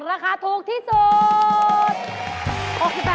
ราคาถูกที่สุด